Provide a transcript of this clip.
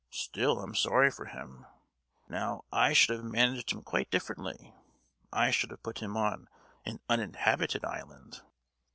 Still I'm sorry for him. Now I should have managed him quite differently. I should have put him on an uninhabited island."